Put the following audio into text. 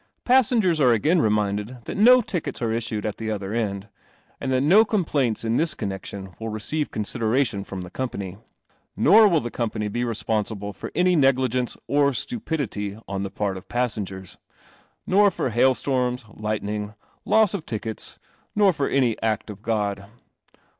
Passengers are again reminded that no tickets are issued at the other end, and that no complaints in this connection will receive consideration from the Company. Nor will the Company be responsible for any negligence or stupidity on the part of Passengers, nor for Hail storms, Lightning, Loss of Tickets, nor for any Act of God.